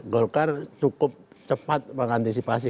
golkar cukup cepat mengantisipasi